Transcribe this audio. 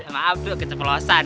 maap duh ketepulosan